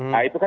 nah itu kan